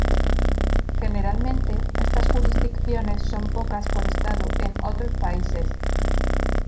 Generalmente, estas jurisdicciones son pocas por estado en otros países.